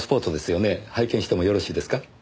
拝見してもよろしいですか？